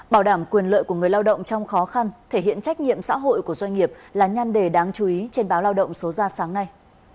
bảo đảm quyền lợi của người lao động trong khó khăn thể hiện trách nhiệm xã hội của doanh nghiệp là nhan đề đáng chú ý trên báo lao động số ra sáng nay